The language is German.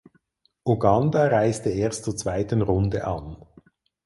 Uganda reiste erst zur zweiten Runde an.